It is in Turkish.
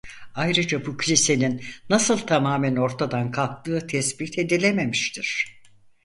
Ayrıca bu kilisenin nasıl tamamen ortadan kalktığı tespit edilememiştir.